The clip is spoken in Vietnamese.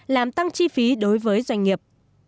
làm tăng chi phí đối với doanh nghiệp